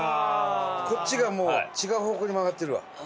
こっちがもう違う方向に曲がってるわ。